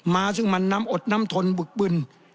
ซึ่งมันน้ำอดน้ำทนบึกบึน